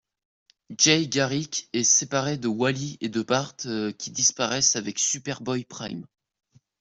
Jay Garrick est séparé de Wally et de Bart qui disparaissent avec Superboy-Prime.